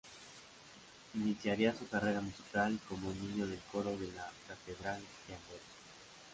Iniciaría su carrera musical como niño del coro de la catedral de Amberes.